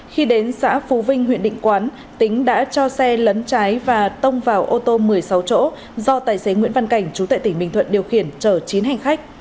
khi đến xã phú vinh huyện định quán tính đã cho xe lấn trái và tông vào ô tô một mươi sáu chỗ do tài xế nguyễn văn cảnh chú tệ tỉnh bình thuận điều khiển chở chín hành khách